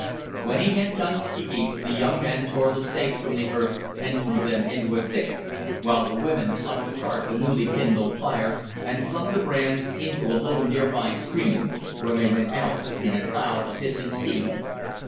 When he had done speaking, the young men tore the stakes from the earth and threw them into a thicket, while the women plucked apart the newly kindled fire and flung the brands into a little near by stream, where they went out in a cloud of hissing steam.